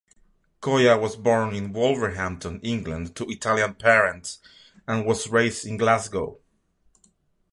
Coia was born in Wolverhampton, England, to Italian parents, and was raised in Glasgow.